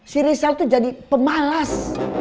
si rizal tuh jadi pemalas